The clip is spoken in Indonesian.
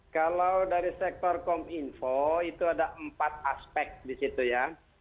kalau dari sektor kominfo itu ada empat aspek di situ ya